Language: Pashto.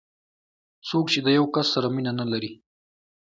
څوک چې د یو کس سره مینه نه لري.